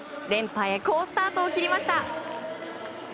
連覇へ好スタートを切りました。